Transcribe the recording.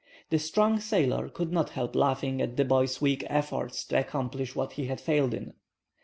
The strong sailor could not help laughing at the boy's weak efforts to accomplish what he had failed in.